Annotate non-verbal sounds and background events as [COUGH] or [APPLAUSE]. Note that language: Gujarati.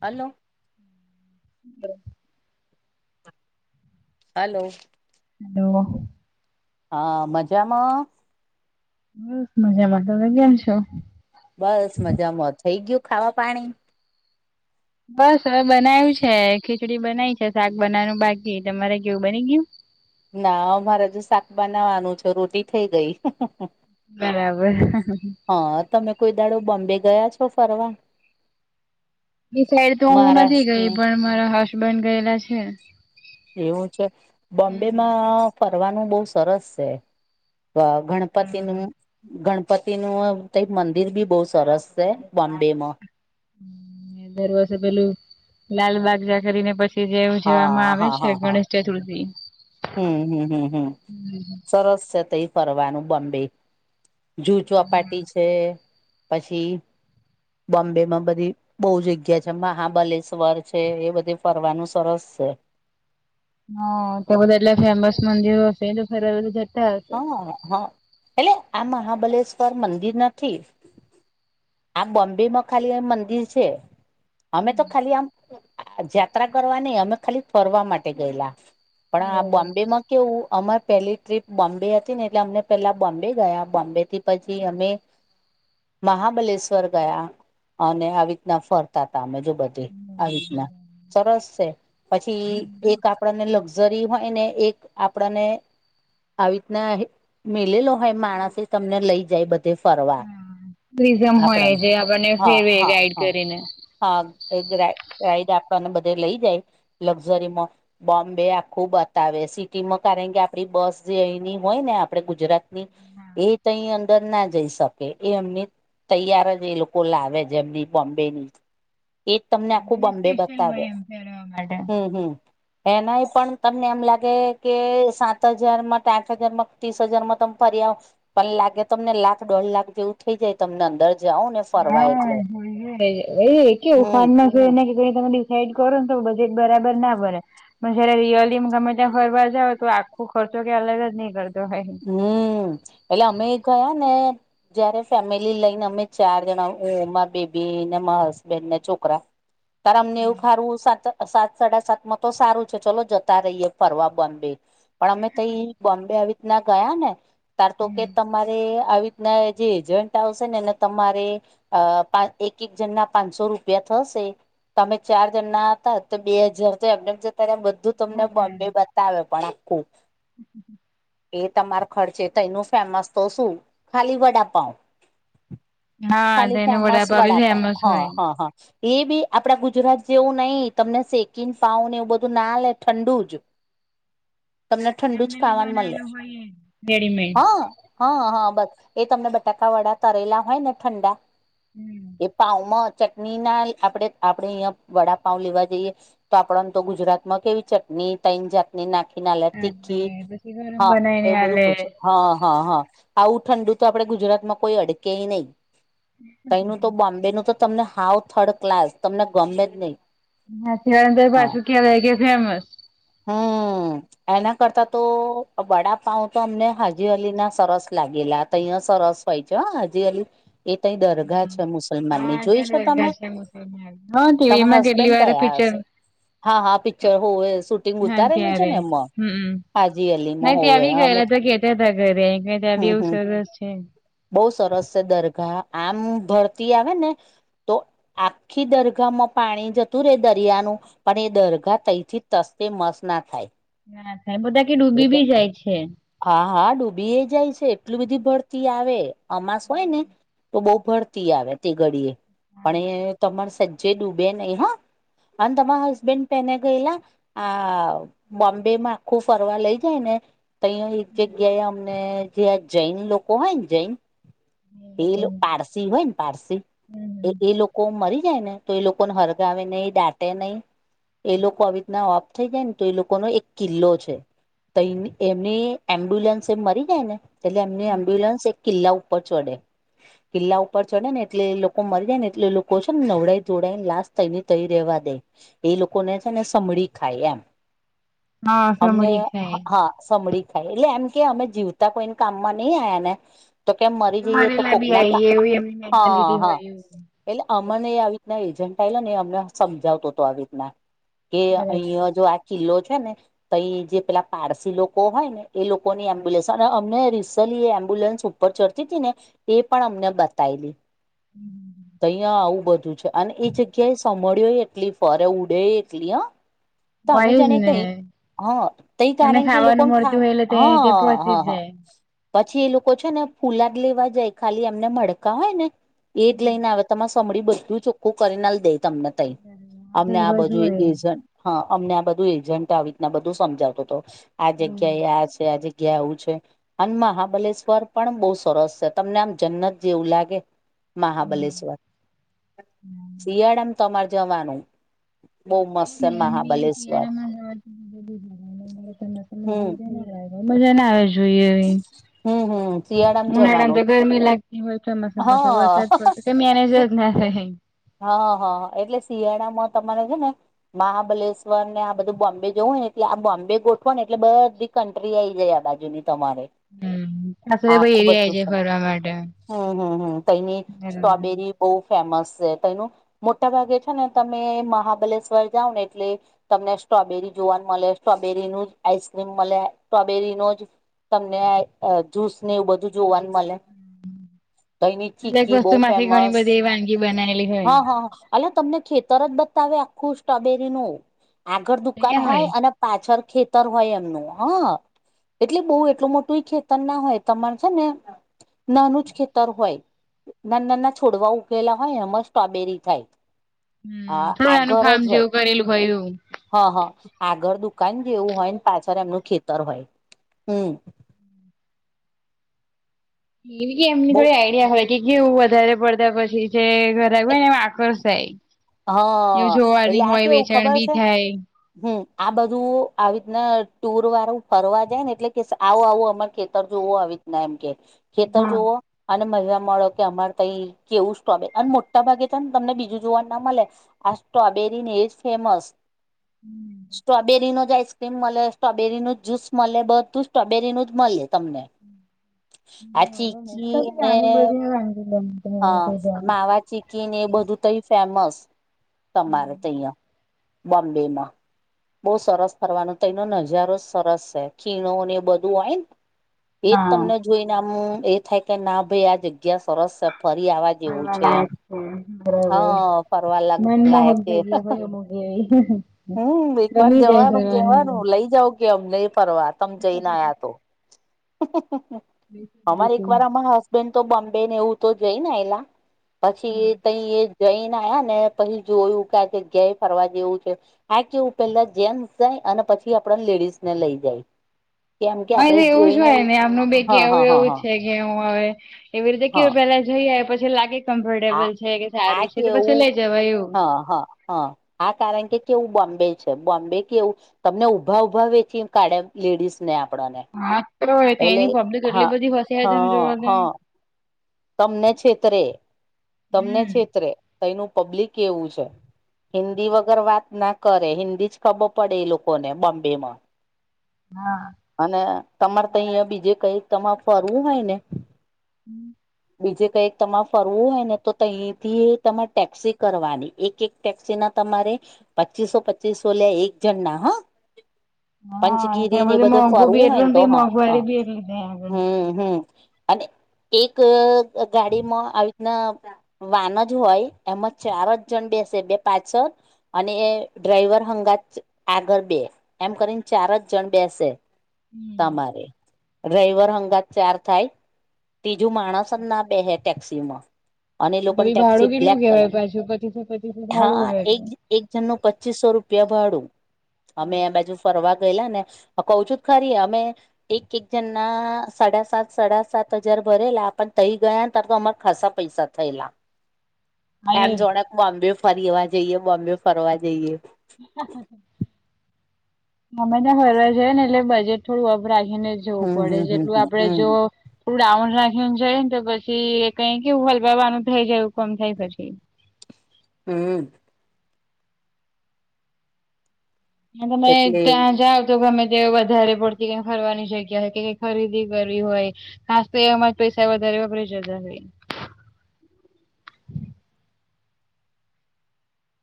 હલો. [UNINTELLIGIBLE] હલો. હ. હા, મજામાં? બસ મજામાં. તમે કેમ છો? બસ મજામાં. થઈ ગયું ખાવા પાણી? બસ હવે, બનાય્યું છે. ખીચડી બનાવી છે, શાક બનાવનું બાકી. તમારે કેવું બની ગયું? ના, અમારે શાક બનાવાનું છે, રોટી થઇ ગઈ. બરાબર. હા, તમે કોઈ દાહડો બોમ્બે ગયા છો ફરવા? એની સાઈડ તો હું નથી ગઈ, મહારાષ્ટ્રને પણ મારા હસબન્ડ ગયેલા છે. એવું છે, હમ્મ. બોમ્બેમાં બહુ સરસ છે. તો હા ગણપતિનું ગણ ગણપતિનું મંદિર બી બહુ સરસ છે, બોમ્બેમાં. દર વર્ષે પેલું લાલબાગ કરીને પછી જે ઉજવવામાં હા આવે હા છે, હા હા ગણેશ ચતુર્થી. હમ, હમ, હમ, હમ સરસ છે, તે ફરવાનું બમ્બે. જૂજવા ચોપાટી છે, પછી બોમ્બેમાં બધી બહુ જગ્યા છે, મહાબલેશ્વર છે, એ બધે ફરવાનું સરસ છે. તો બધા ફેમસ મંદિરો હશે તો ફ હા, હા, એટલે આ મહાબલેશ્વર મંદિર નથી? આ બોમ્બેમાં ખાલી મંદિર છે. અમે તો ખાલી આમ જાત્રા કરવા નહી, અમે ખાલી ફરવા માટે ગયેલા. પણ આ બરોબર બોમ્બેમાં કેવું? અમારે પહેલી ટ્રીપ બોમ્બે હતી ને, એટલે અમને પહેલા બોમ્બે ગયા. બોમ્બેથી પછી અમે મહાબલેશ્વર ગયા, અને આવી રીતના ફરતા હતા અમે જો. બધે આવી રીતના સરસ છે, પછી એક આપને લ જરી હોયને, એક આપણને આવી રીતના મેિલેલો હોય, માણસ તમને લઈ જાય બધે. તે ફરવા રિઝમ હોય આપણાને, જે આપણને હા ફેરવે હા ગાઈડ હા. કરીને. હા, એ ગ ગ્રાઈડ આપણને બધે લઇ જાય. લક્ઝરી બોમ્બે આખું સિટીમાં, કારણ કે આપણી બસ જે એની હોયને, આપણે ગુજરાતની એ તય અંદરના જઈ શકે, એ અમને તૈયાર જ લોકો લાવે, જેમની બોમ્બે એ જ તમને ખુબ અંબે સ્પેશિયલ બતાવે, હોય એમ ફેરવા માટે. હમ હમ. એનાય પણ તમને એમ લાગે કે, સાત હજારમાં સાઠ હજારમાં, ત્રીસ હજારમાં તો અમે ફરી આવશું. પણ લાગે, તમને લાખ, દોઢ લાખ જેવું થઈ જાય તમને અંદર? જાઓ ને ફરવા એટલે એ કેવું હમ ફોન તમે ડિસાઈડ કરો ને, તો બજેટ બરાબર ન બને. પણ જ્યારે રિયલી ગમે ત્યાં ફરવા જાઓ, તો આખો ખર્ચો કંઈ અલગ જ નથી થતો. હા, એટલે અમે એ ગયા ને. જ્યારે ફેમિલી લઈને, અમે ચાર જણા મા, બેબી, હસબેન્ડ ને છોકરા. [UNINTELLIGIBLE] તો અમને એવું ખરું, સાત-સાત, સાડા સાતમાં તો સારું છે, ચાલો જતા રહીએ ફરવા બે. પણ અમે તો એ બોમ્બે આવી રીતે ગયા ને, ત્યારે તો કે. તમારે આવી રીતે જે એજન્ટ આવશે ને, એને તમારે આ પાં એક-એક જનના પાંચસો રૂપિયા થશે. તમે ચાર જન્ના અતા, તો બે હજાર તો એમને એમ ત્યારે બધું તમને બોમ્બે બતાવે, પણ આખું. એ તમારા ખર્ચે તો એનું ફેમસ તો શું, ખાલી વડાપાઉં? હા તો ખાલી એનો ફેમસ વડાપાવ બી વડાપાઉં, ફેમસ હ હોય હ હ. એ બી આપણા ગુજરાત જેવું નઈં. તમને શેકીને પાવ ને એવું બધું ના આલે, ઠંડું જ. તમને ઠંડું જ ફાવાનું મલે. અયે... તેળી મેં... હ હ, બસ એ તમને બટાકાવાળા તળેલા હોય ને, ઠંડા. એ પાવમાં ચટની નાંય. આપડે આપડે અઈયા વડાપાઉં લેવા જઈએ. તો આપડા ન ત ગુજરાતમાં કેવી ચટની તઈ જ ને નાખી ના લે આપડે તીખી, પછી હ. ગરમ બનાવીને આલે હ હ હ, આવું ઠંડું તો આપડે ગુજરાતમાં કોઈ અડકેયે નઈ. તય નું તો, બોમ્બેનું તો તમને હાવ થર્ડ ક્લાસ, તમને ગમે જ ની. હાથેવાયાનું થ પાસુ કેવાય ગીયુ, ફેમસ. હમ્મ, એના કરતા તો અ બડા પાઉં ત અમને હાજી અલી ના સરસ લાગેલા. ત્યારે સરસ હોય છે, અં હાજી અલી. એ તઈ દરગાહ છે મુસલમાનની, હા જોઈ ત્યાં છે તમે? દરગાહ મુસલમાન હા તમે ટીવીમાં કેટલી હસબન્ડ વાર કયા? પિક્ચર હાસે. હા હા, પિક્ચર હોવે શૂટિંગ હા ઉતારેલું છે ત્યારે ને, અમાં હમ હાજી અલીમાં નહી ત્યાં હોવે. આવી અમે ગયેલા ત કેતા હતા ઘરે કે, ત્યા બી એવું સરસ છે. બો સરસ છે દરગાહ, આમ ભરતી આવે ને તો આખી દરગાહમાં પાણી જતું રે, દરિયાનું. પણ એ દરગાહ તઈથી તસ કે મસ ના થાય. ના થાય, બધા કે ડૂબી બી જાય છે. હા હા, ડુબીયે જાય છે. એટલું બધી ભરતી આવે, અમાસ ઓય ને. તો બોવ ભરતી આવે તે ગડીએ પણ એ તમારું સજ્જે ડૂબે નઈ, હં. અન, તમાયા હસબન્ડ પેને ગયેલા? આ બોમ્બેમા આખું ફરવા લઈ જાય ને. તઈ એક જગ્યાએ અમને જ્યાં જૈન લોકો હોય ને, જૈન હમ પીલું પાળસી હોય ને, પાળસી. હમ. એ લોકો મરી જાય ને, તો એ લોકોને હરગાવે નઈ, દાટે નઈ. એ લોકો આવી ઈત ના ઓફ થઈ જાય ને, તો એ લોકોનો એક કિલ્લો છે તઈ એમની એમ્બ્યુલન્સ એ મરી જાય ને, એટલે એમની એમ્બ્યુલન્સ એ કિલ્લા ઉપર ચડે. કિલ્લા ઉપર ચડે ને, એટલે એ લોકો મરી જાય ને, એટલે લોકો છો ને નવડાવી-ધોવડવીને લાસ્ટ થઈને તઈ રવા દે. એ લોકોને છે ને, સમડી ખાય એમ હા અમને, સમળી ખાય હ. સંભળી ખાય એટલે એમ કે અમે જીવતા કોઈને કામમાં નઈં આયા ને. તો કેમ, મરી જઈએ તો મરેલા બી કોકના આવીએ એવું એમની મેન્ટાલિટી કા--હ હ. હોય એવું. એટલે અમને આવી રીતના એજન્ટ આયલો, ને એમનમ સમજાવતો હતો આવી રીતના. કે અહિયો બરાબર જે આ કિલ્લો છે ને તઇજ પેલા પારસી લોકો હોયને એ લોકોની એમ્બ્યુલસ અને અમે રિ ચલી એ એમ્બ્યુલન્સ ઉપર ચડતી તીને, એ પણ અમને બતાયલી. તયા આવું બધું છે અને ઈ જગ્યા એ સભળ્યોય એટલી ફરે ઉડે એટલી હ તમે હોય જ જાણે ને તઈ હ તેઈ એમને કારણ કે ખાવાનું પણ થા મળતું હોય એટલે તે તે હ પહોંચી જ હ જાય. પછી એ લોકો છેને ફુલ હાર લેવા જાય ખાલી એમને મડકા હોય ને એજ લઈને આવે તમા સમળી બધું ચોખ્ખું કરીને આલદે. તમને તઈ એ અમને બધું આ હોય બધું [UNINTELLIGIBLE] હા અમને આ બધું એજન્ટ આવી રીતના બધું સમજાવતો હતો આ જગ્યાએ આ છે આ જગ્યા જગ્યા આવું છે. અને મહાબલેશ્વર પણ બહુ સરસ છે તમને આમ જન્નત જેવું લાગે. મહાબલેશ્વર શિયાળામાં તમારે જવાનું. બહુ મસ્ત છે મહાબલેશ્વર. હમ [UNINTELLIGIBLE] મજા ના આવે જોઈએ એવી હમ હમ શિયાળામાં જવાનું ઉનાળામાંતો ગરમી લાગતી હોય. ચોમાસામાં પાછો હા વરસાદ પડતો ક મેનેજ જ ના થાય. હ હ એટલે શિયાળામાં તમારે છે ને મહાબલેશ્વરને આ બધું બોમ્બે જવું હોયને એટલે આ બોમ્બે ગોઠવાોને એટલે બધી કંન્ટ્રી આઈ જાય આબાાજુની તમારે. હમ. આખું બધું હમ હમ હમ ત્યાંની સ્ટ્રોબેરી બહુ ફેમસ છે તયનું મોટા ભાગે છે ને તમે મહાબલેશ્વર જાવ ને એટલે તમને સ્ટ્રોબેરી જોવાનું મલે સ્ટ્રોબેરીનું જ આઈસક્રીમ મલે સ્ટ્રોબેરીનું જ તમને જૂસને એવું બધું જોવાનું મળે. તઈની દરેક ચીકી બોવ વસ્તુ માંથી ઘણી ફેમસ બધી વાનગી બનાયેલી હોય. હા હા અલ્યા તમને ખેતર જ બતાવે આખું સ્ટ્રોબેરીનું આગળ દુકાન હોય અને પાછળ ખેતર હોય એમનું હ એટલે બોવ એટલું મોટું ખેતર ના હોય તમાર છે ને નાનું જ ખેતર હોય નાન નાના છોડવા ઉગેલા હોય એમ સ્ટ્રોબેરી થાય. હમ હા થોડુ એનું ફાર્મ જેવું કરેલું હોય એવું હ હા આગળ દુકાન જેવું હોયને પાછળ એમનું ખેતર હોય હમ એવી કે એમની બો થોડી આઈડિયા હોય કે કેવું વધારે પડતા પછી છે [UNINTELLIGIBLE] એમાં આક્રોશ જય એ હા એટલે જોવાની આ હોય કેવું વેચાણ ખબર બી છે થાય. હમ આ બધું આવી રીતના ટુર વાળું ફરવા જાયને એટલે કે આવું આવું અમારુ ખેતર જોવું આવી રીતના એમ કે ખેતર હા જોવો અને મજા મળો કે અમારે ત કેવું સ્ટ્રોબેરી અને મોટ મોટા ભાગે છે ને તમને બીજું જોવાનું ના મળે આ સ્ટ્રોબેરીને એજ ફેમસ સ્ટ્રોબેરી નોજ આઈસ મલે સ્ટ્રોબેરીનું જ્યુસ મળે બધું સ્ટ્રોબેરીનું જ મળે તમને. આ ચીકી ને ઘણી બધી વાનગી બનતી હોય હા છે ત્યાં. માવા ચીકીનેએ બધું તઈ ફેમસ તમારે ત્યાં બોમ્બેમાં બહ સરસ ફરવાનું ત્યાંનો નજારો સરસ છે ખીણોને એ બધું હોય ન. એજ હા તમને જોઈને આમ એ થાય કે ના ભાઈ આ જગ્યા જગ્યા સરસ છે ફરી આવા જેવું ફરવા છે એમ લાયક છે બરાબર. હા ફરવા લ મનમોહક લાયક છે. જગ્યા હોય અમુક એવી હમ એક વાર ગમી જાય જવાનું ફરવાની કેવાનું લઈ જાવ. કે અમ નઈ ફરવા તમ જઈને આયા તો અમારે એક બિલકુલ. વાર અમા હસબેન્ડ તો બમ્બે ને એવું તો જઈને એલા પછી, તઈ એ જઈને આયા ને પછી જોયું કે આજે ઘે ફરવા જેવું છે. આ કેવું પેલા જેન્ટસ જાય અને પછી આપ લેડીઝને લઈ જાય. કેમ કે મ આપડે એવું જ જોઈને હોય ને આમનું બે ક હા એવું હા હા એવું હા છે. હું હવે એવી રીતે કેવ હા પેલા જઈએ પછી લાગે. આ કમ્ફર્ટેબલ છે કે આ સારું છે તો પછી કેવું લઈ જવા એવું. હા હા હ આ કારણ કે કેવું બોમ્બે છે. બોમ્બે કેવું તમને ઊભા ઉભા વેચી કાઢે લેડીસ ને આપડને હા તો એટલે તેની પબ્લિક એટલી હા બધી ફસાય તમે હા જોવો હ તો તમને છેતરે તમને હમ છેતરે ત એનું પબ્લિક કેવું છે. હિન્દી વગર વાત ના કરે હિન્દી જ ખબર પડે એ લોકોને બોમ્બે મ. હા અને તમારે તો અહં બીજે કઈ તમારે ફરવું હોય ને, [INAUDIBLE] બીજે કઈક તમારે ફરવું હોય ને તો તહીથી તમારે ટેક્સી કરવાની એક એક, ટેક્સી ના તમારે પચીસો પચીસો લ્યા એક જણના હ હા પંચગીરી ત્યાં ને બધું બધે મોંઘું બી ફરવું હોયને એટલું બી હા મોંઘવારી હા બી એટલી ત્યાં આગળ હમ હમ. અને ગ ગાડી મા આવીત ના વાન જ હોય એમાં ચાર જ જણ બેસે બે પાછ અને એ ડ્રાઈવર હંગાત આગળ બે એમ કરીને ચાર જ જણ બેસે. હમ તમારે ડ્રાયવર હંગાત ચાર થાય. જો માણસ બે હે ટેક્સી માં અને તો લોકોની બી ટટેક્સી ભાડું બ્લેક કેટલું કલર કેવાય પાછું પચીસો પચીસો ભાડું હા હોય એક એક જણનું પચીસો રૂપિયા ભાડું અમે એ બાજુ ફરવા ગયેલા ને, હ કહ છું ખરી અમે એક એક જણ ના સાડા સાત સાડા સાત હજા ભરેલા પણ થઈ ગયા ને તાર તો અમારા ખાસા પૈસા થયેલા એમ અહી જોને બોમ્બે ફરીવા જઈએ બોમ્બે ફરવા જઈએ. અમેને ફરવા જઈ ને એટલે બજેટ થોડું અપ રાખીને જવું હમ પડે હમ જેટલું હમ આપડે હમ જો, ડાઉન રાખી જાય ને તો પછી એ કઈ કેવું હલવાવાનું થઈ જાય એવું કમ થાય પછી. હમ અને તમે એટલે એવું ત્યા જ્યાવ તો ગમે તે વધારે પડતી ક ફરવાની શક્યા કે કઈ ખરીદી કરવી હોય. ખાસ તો એમાં જ પૈસા વધારે વપરાઈ જતા હોય.